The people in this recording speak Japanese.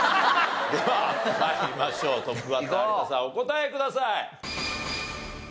お答えください。